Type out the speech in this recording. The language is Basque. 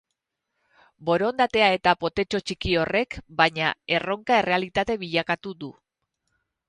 Borondatea eta potetxo txiki horrek, baina, erronka errealitate bilakatu du.